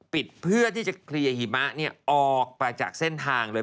เพื่อที่จะเคลียร์หิมะออกมาจากเส้นทางเลย